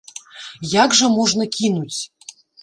Як жа можна кінуць!